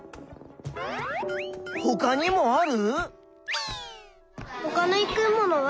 ほかにもある？